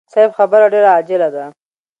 صيب خبره ډېره عاجله ده.